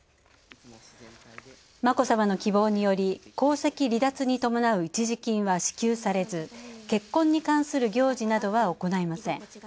眞子さまの希望により、皇籍離脱に伴う一時金は支給されず、結婚に関する行事などは行いません。